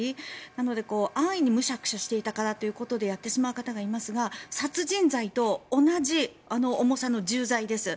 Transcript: なので、安易にむしゃくしゃしていたからとやってしまう方がいますが殺人罪と同じ重さの重罪です。